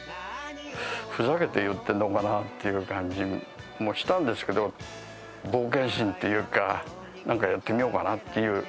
ふざけて言ってるのかなっていう感じもしたんですけど、冒険心っていうか、なんかやってみようかなっていう。